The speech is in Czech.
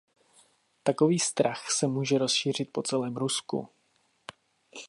Takový strach se může rozšířit po celém Rusku.